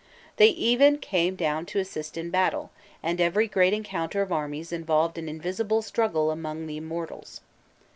They even came down to assist in battle, and every great encounter of armies involved an invisible struggle among the immortals.